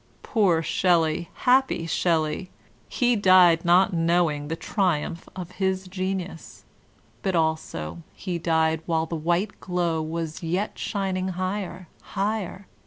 Poor Shelley ! Happy Shelley ! He died not knowing the triumph of his genius ; but also he died while the white glow within was yet shining higher, higher!